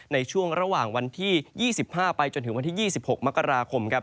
ในช่วงระหว่างวันที่๒๕ไปจนถึงวันที่๒๖มกราคมครับ